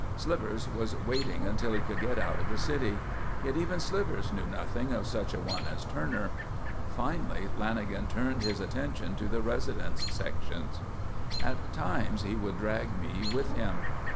Slivers was waiting until he could get out of the city. Yet even Slivers knew nothing of such a one as Turner. Finally Lanagan turned his attention to the residence sections. At times he would drag me with him.